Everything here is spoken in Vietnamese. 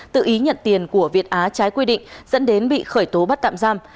tự ý nhận tiền của việt á trái quy định dẫn đến bị khởi tố bắt tạm giam